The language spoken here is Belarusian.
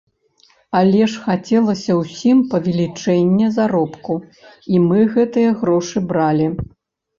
Але ж хацелася ўсім павелічэння заробку і мы гэтыя грошы бралі!